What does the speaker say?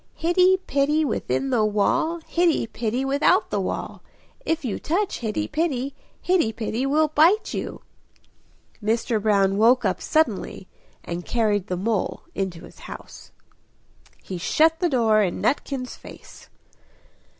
Hitty Pitty within the wall, Hitty Pitty without the wall; If you touch Hitty Pitty, Hitty Pitty will bite you!" Mr. Brown woke up suddenly and carried the mole into his house. He shut the door in Nutkin's face.